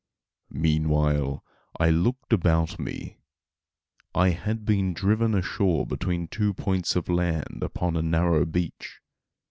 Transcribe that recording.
Meanwhile I looked about me. I had been driven ashore between two points of land, upon a narrow beach.